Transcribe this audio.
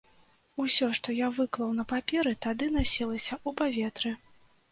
Усё, што я выклаў на паперы, тады насілася ў паветры.